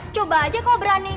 coba aja kau berani